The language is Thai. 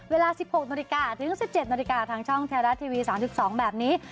เวลา๑๖นถึง๑๗นทางช่องเทลระทีวี๓๒แบบนี้